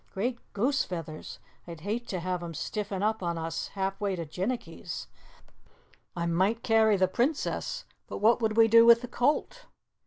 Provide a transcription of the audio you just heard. Great Goosefeathers! I'd hate to have 'em stiffen up on us half way to Jinnicky's. I might carry the Princess, but what would we do with the colt?"